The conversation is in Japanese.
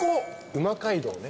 うま街道ね。